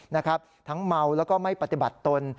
นะครับทั้งเมาแล้วก็ไม่ปฏิบัติตน